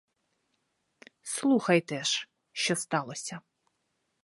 Слухайте ж, що сталося.